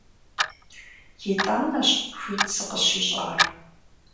ИтӀанэщ хуит сыкъыщищӀар.